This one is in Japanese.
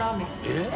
えっ？